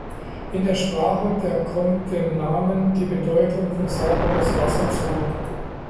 In der Sprache der kommt dem Namen die Bedeutung von „"sauberes Wasser"“ zu.